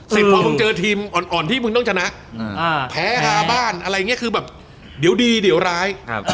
พอมึงเจอทีมอ่อนที่มึงต้องชนะแพ้ฮาบ้านอะไรอย่างนี้คือแบบเดี๋ยวดีเดี๋ยวร้าย